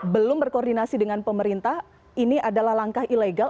belum berkoordinasi dengan pemerintah ini adalah langkah ilegal